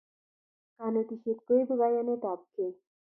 Kanetishet koipu kayaenet ab kei